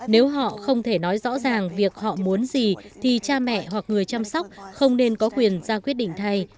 nếu họ không thể nói rõ ràng việc họ muốn gì thì cha mẹ hoặc người chăm sóc không nên có quyền ra quyết định thay